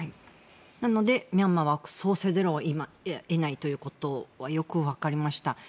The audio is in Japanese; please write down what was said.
なのでミャンマーはそうせざるを得ないということはよく分かりました。